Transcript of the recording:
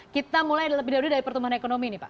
kita mulai dari pertumbuhan ekonomi nih pak